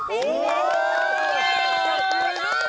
すごい！